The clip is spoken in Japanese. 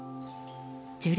樹齢